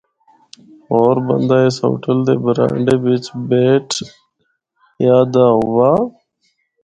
ہور بندہ اس ہوٹل دے برانڈے بچ بیٹھ یا دا ہوا۔